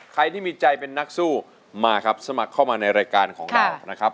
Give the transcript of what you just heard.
ใครที่มีใจเป็นนักสู้มาครับสมัครเข้ามาในรายการของเรานะครับ